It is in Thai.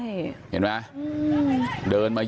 มีภาพวงจรปิดอีกมุมหนึ่งของตอนที่เกิดเหตุนะฮะ